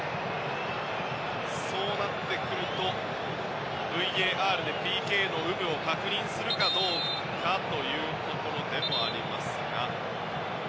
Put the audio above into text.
そうなってくるとＶＡＲでＰＫの有無を確認するかどうかというところですが。